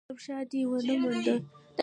_ګلاب شاه دې ونه موند؟